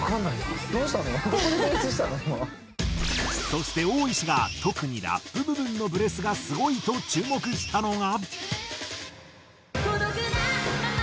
そしてオーイシが特にラップ部分のブレスがすごいと注目したのが。